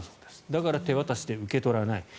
だから、手渡しで受け取らない。